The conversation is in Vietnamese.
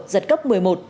giật cấp một mươi một